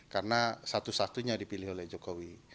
karena satu satunya dipilih oleh jokowi